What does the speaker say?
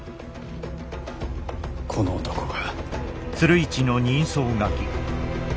この男が。